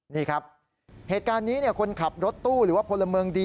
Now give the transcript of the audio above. นี่ครับเหตุการณ์นี้คนขับรถตู้หรือว่าพลเมืองดี